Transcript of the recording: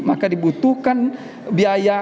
maka dibutuhkan biaya